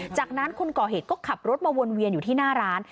จากนั้นคนก่อเหตุก็ขับรถมาวนเวียนอยู่ที่หน้าร้าน